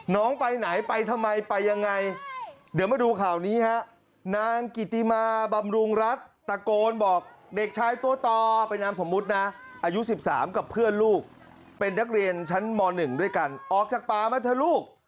น้องไปไหนไปทำไมไปยังไงเดี๋ยวมาดูข่าวนี้ฮะนางกิติมาบำรุงรัฐตะโกนบอกเด็กชายตัวต่อไปนามสมมุตินะอายุ๑๓กับเพื่อนลูกเป็นนักเรียนชั้นม๑ด้วยกันออกจากป่ามาเถอะลูก